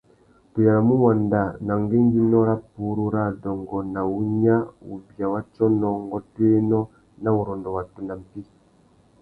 Tu yānamú uwanda nà ngüéngüinô râ purú râ adôngô nà wunya, wubia wa tsônô, ngôtōénô na wurrôndô watu nà mpí.